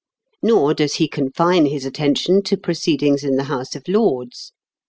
Nor does he confine his attention to proceedings in the House of Lords.